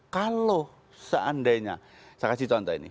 kalau seandainya saya kasih contoh ini